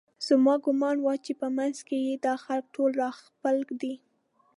زما ګومان و چې په منځ کې یې دا خلک ټول راخپل دي